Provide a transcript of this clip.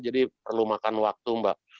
jadi perlu makan waktu mbak